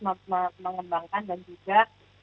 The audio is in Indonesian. mengembangkan dan juga